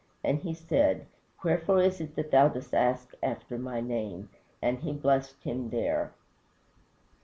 And he said, Wherefore is it that thou dost ask after my name? And he blessed him there."